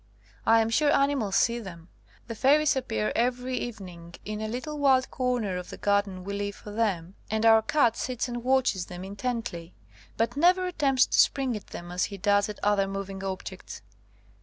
I am sure ani mals see them. The fairies appear every evening in a little wild corner of the garden we leave for them, and our cat sits and 162 SOME SUBSEQUENT CASES watches them intently, but never attempts to spring at them as he does at other moving objects.